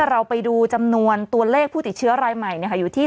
เราไปดูจำนวนตัวเลขผู้ติดเชื้อรายใหม่อยู่ที่